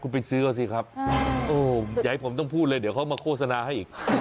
อย่าให้ผมต้องพูดเลยเดี๋ยวเขามาโฆษณาให้อีก